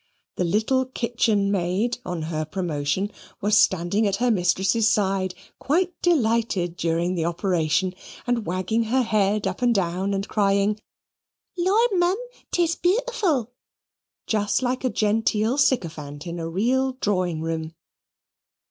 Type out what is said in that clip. The little kitchen maid on her promotion was standing at her mistress's side, quite delighted during the operation, and wagging her head up and down and crying, "Lor, Mum, 'tis bittiful" just like a genteel sycophant in a real drawing room.